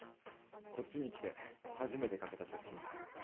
こっちに来て初めて書けた作品だ。